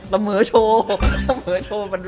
เสมอโชว์